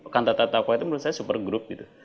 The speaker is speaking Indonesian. kantar taqwa itu menurut saya super group gitu